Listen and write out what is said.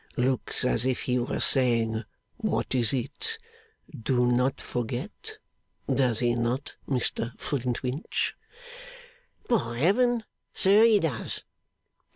Looks as if he were saying, what is it Do Not Forget does he not, Mr Flintwinch? By Heaven, sir, he does!